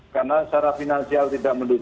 karena secara finansial tidak mendukung